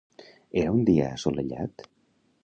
Era un dia assolellat?